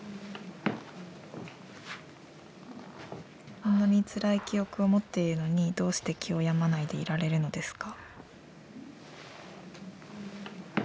そんなにつらい記憶をもっているのにどうして気を病まないでいられるのですか。